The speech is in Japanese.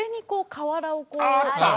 瓦を入れて。